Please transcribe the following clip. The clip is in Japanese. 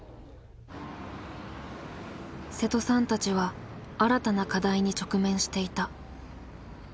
瀬戸さんたちは新たな課題に直面していた。